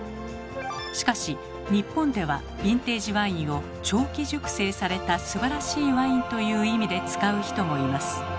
しかし日本では「ヴィンテージワイン」を「長期熟成されたすばらしいワイン」という意味で使う人もいます。